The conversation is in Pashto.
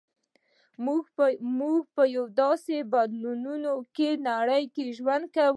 موږ په یوه داسې بدلېدونکې نړۍ کې ژوند کوو